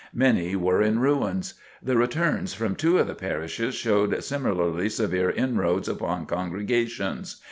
Many were in ruins. The returns from two of the parishes showed similarly severe inroads upon congregations.